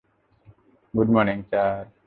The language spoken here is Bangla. Good morning sir.